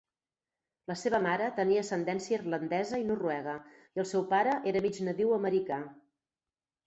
La seva mare tenia ascendència irlandesa i noruega, i el seu pare era mig nadiu americà.